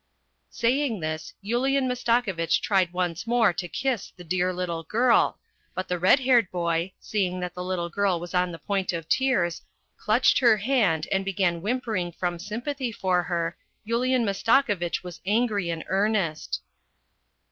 " Saying this, Yulian Mastakovitch tried once more to kiss " the dear little girl," but the red haired boy, seeing that the little girl was on the point of tears, clutched her hand and began whimpering from sympathy for her. Yulian Mastakovitch was angry in earnest.